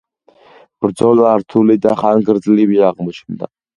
ბრძოლა რთული და ხანგრძლივი აღმოჩნდა.